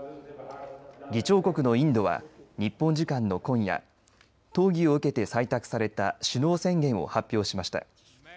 議長国のインドは日本時間の今夜討議を受けて採択された首脳宣言を発表しました。